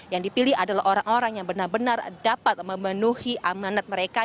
yang dipilih adalah orang orang yang benar benar dapat memenuhi amanat mereka